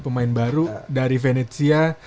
pemain baru dari venezia